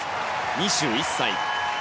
２１歳。